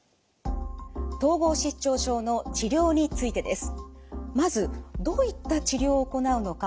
統合失調症の治療についてです。